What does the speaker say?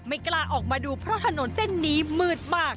กล้าออกมาดูเพราะถนนเส้นนี้มืดมาก